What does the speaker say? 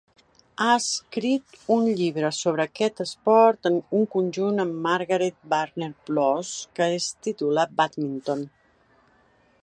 A escrit un llibre sobre aquest esport en conjunt amb Margaret Varner Bloss que es titula "Badminton".